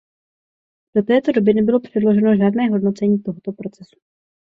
Do této doby nebylo předloženo žádné hodnocení tohoto procesu.